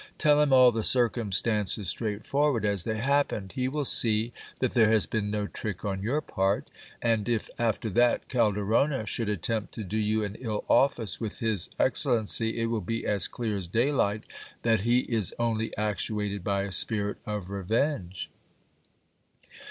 Tell him all the circumstances straightforward as they happened ; he will see that there has been no trick on your part ; and if after that Calderona should attempt to do you an ill office with his excellency, it will be as clear as daylight that he is only actuated by a spirit of revenge.